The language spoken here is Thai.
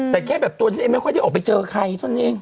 แต่แค่แบบตัวนี้ไม่ค่อยได้ออกไปเจอใครซะเนี่ย